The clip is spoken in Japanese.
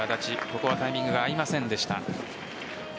ここはタイミングが合いませんでした。